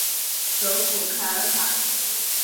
首府凯尔采。